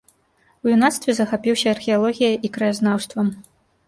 У юнацтве захапіўся археалогіяй і краязнаўствам.